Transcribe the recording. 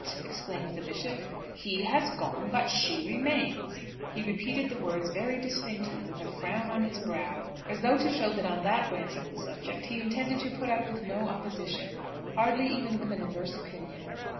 exclaimed the Bishop. "He has gone, but she remains." He repeated the words very distinctly, with a frown on his brow, as though to show that on that branch of the subject he intended to put up with no opposition, hardly even with an adverse opinion.